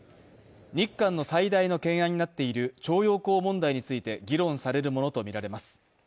日韓の最大の懸案になっている徴用工問題について議論されるものとみられます。